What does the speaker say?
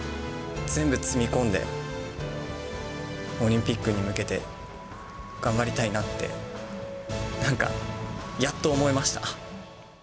全部積み込んでオリンピックに向けて、頑張りたいなって、なんか、やっと思えました。